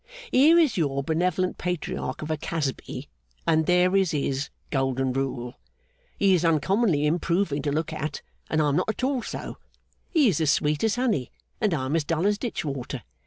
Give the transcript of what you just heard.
Here is your benevolent Patriarch of a Casby, and there is his golden rule. He is uncommonly improving to look at, and I am not at all so. He is as sweet as honey, and I am as dull as ditch water.